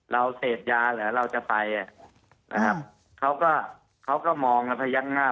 เราเสพยาเหรอเราจะไปนะครับเขาก็เขาก็มองแล้วพยักหน้า